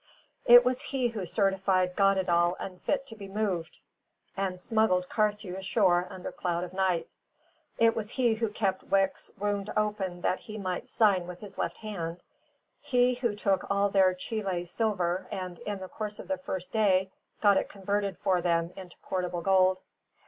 It was he who certified "Goddedaal" unfit to be moved and smuggled Carthew ashore under cloud of night; it was he who kept Wicks's wound open that he might sign with his left hand; he who took all their Chile silver and (in the course of the first day) got it converted for them into portable gold.